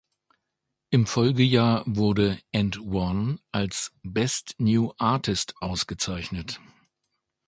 Im Folgejahr wurde "And One" als „Best New Artist“ ausgezeichnet.